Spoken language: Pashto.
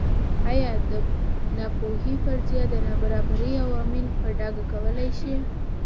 ایا د ناپوهۍ فرضیه د نابرابرۍ عوامل په ډاګه کولای شي.